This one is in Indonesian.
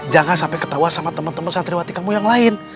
jangan sampai ketawa sama temen temen santriwati kamu yang lain